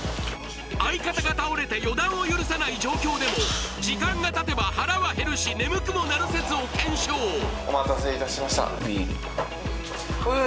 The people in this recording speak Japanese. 相方が倒れて予断を許さない状況でも時間がたてば腹は減るし眠くもなる説を検証お待たせいたしましたええ